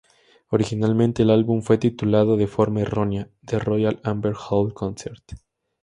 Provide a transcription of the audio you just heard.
Originalmente, el álbum fue titulado de forma errónea "The Royal Albert Hall Concert".